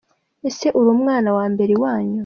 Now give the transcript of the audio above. Ese uri umwana wa mbere i wanyu?